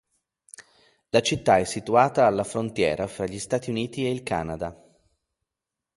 La città è situata alla frontiera fra gli Stati Uniti e il Canada.